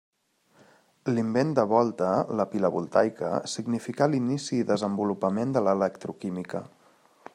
L'invent de Volta, la pila voltaica, significà l'inici i desenvolupament de l'electroquímica.